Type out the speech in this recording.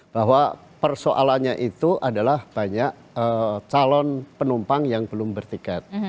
bahwa persoalannya itu adalah banyak calon penumpang yang belum bertiket